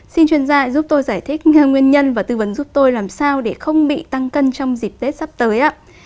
xin chuyên gia giúp tôi giải thích nguyên nhân và tư vấn giúp tôi làm sao để không bị tăng cân trong dịp tết sắp tới ạ